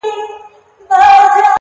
په دې وطن كي نستــه بېـــله بنگه ككــرۍ؛